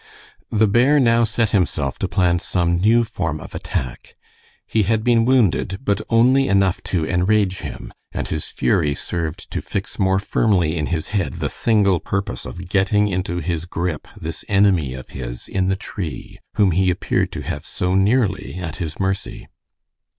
The bear now set himself to plan some new form of attack. He had been wounded, but only enough to enrage him, and his fury served to fix more firmly in his head the single purpose of getting into his grip this enemy of his in the tree, whom he appeared to have so nearly at his mercy.